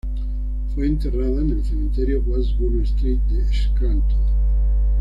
Fue enterrada en el Cementerio Washburn Street de Scranton.